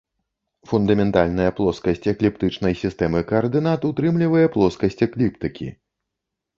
Фундаментальная плоскасць экліптычнай сістэмы каардынат ўтрымлівае плоскасць экліптыкі.